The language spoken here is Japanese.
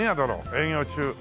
営業中。